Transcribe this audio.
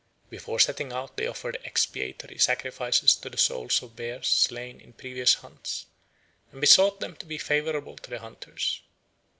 Before setting out they offered expiatory sacrifices to the souls of bears slain in previous hunts, and besought them to be favourable to the hunters.